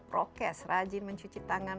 prokes rajin mencuci tangan